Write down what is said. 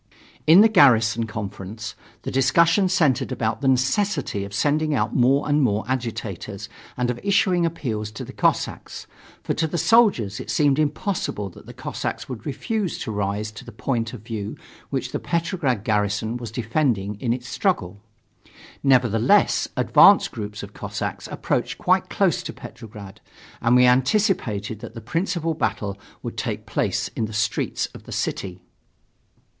In the Garrison Conference, the discussion centered about the necessity of sending out more and more agitators and of issuing appeals to the Cossacks; for to the soldiers it seemed impossible that the Cossacks would refuse to rise to the point of view which the Petrograd garrison was defending in its struggle. Nevertheless, advanced groups of Cossacks approached quite close to Petrograd, and we anticipated that the principal battle would take place in the streets of the city.